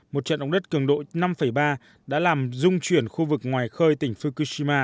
một trận động đất cường độ năm ba đã làm dung chuyển khu vực ngoài khơi tỉnh fukushima